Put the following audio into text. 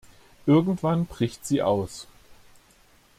Irgendwann bricht sie aus.